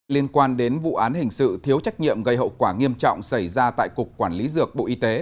liên quan đến vụ án hình sự thiếu trách nhiệm gây hậu quả nghiêm trọng xảy ra tại cục quản lý dược bộ y tế